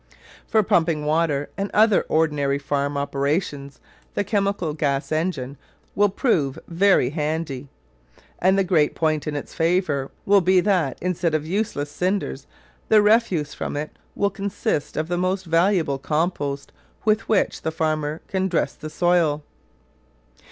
For pumping water and other ordinary farm operations the chemical gas engine will prove very handy; and the great point in its favour will be that instead of useless cinders the refuse from it will consist of the most valuable compost with which the farmer can dress the soil.